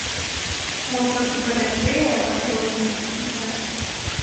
Мо трохі памякчэе, а то не прыступіцца.